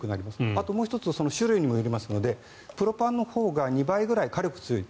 あともう１つ種類にもよりますのでプロパンのほうが２倍ぐらい火力が強い。